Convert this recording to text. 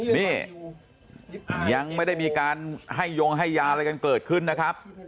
นี่ยังไม่ได้มีการให้ยงให้ยาอะไรกันเกิดขึ้นนะครับ